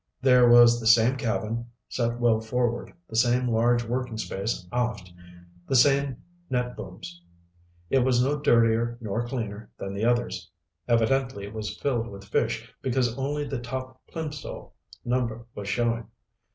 There was the same cabin, set well forward, the same large working space aft, the same net booms. It was no dirtier nor cleaner than the others. Evidently it was filled with fish, because only the top Plimsoll number was showing.